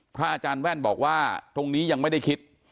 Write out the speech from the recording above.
พระอาจารย์แว่นบอกว่าตรงนี้ยังไม่ได้คิด